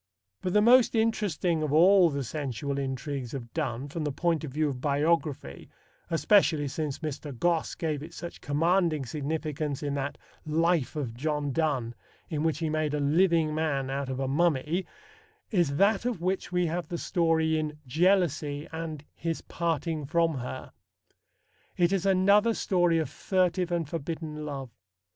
But the most interesting of all the sensual intrigues of Donne, from the point of view of biography, especially since Mr. Gosse gave it such commanding significance in that Life of John Donne in which he made a living man out of a mummy, is that of which we have the story in Jealousy and His Parting from Her. It is another story of furtive and forbidden love.